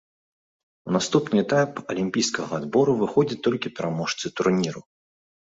У наступны этап алімпійскага адбору выходзяць толькі пераможцы турніру.